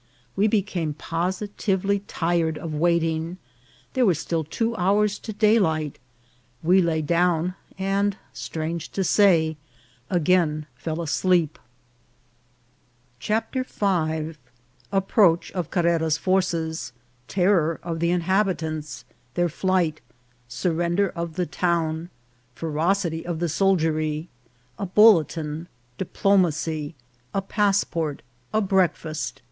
We became positively tired of waiting ; there were still two hours to daylight ; we lay down, and, strange to say, again fell asleep. VOL. IL— K 7 74 INCIDENTS OP TRAVEL. CHAPTER V. Approach of Carrera's Forces.— Terror of the Inhabitants. — Their Flight.— Sur render of the Town.— Ferocity of the Soldiery. — A Bulletin.— Diplomacy. — A Passport. — A Breakfast.